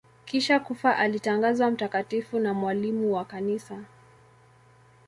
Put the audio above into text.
Kisha kufa alitangazwa mtakatifu na mwalimu wa Kanisa.